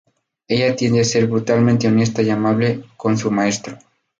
Ella tiende a ser brutalmente honesta y amable con su "maestro".